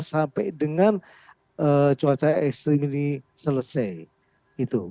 sampai dengan cuaca ekstrim ini selesai